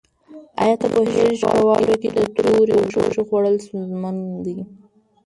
آیا ته پوهېږې چې په واوره کې د تورې غوښې خوړل ستونزمن دي؟